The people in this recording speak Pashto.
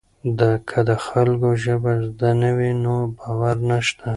که د خلکو ژبه زده نه وي نو باور نشته.